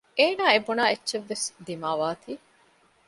އޭނާ އެބުނާ އެއްޗެއް ވެސް ދިމާވާ ތީ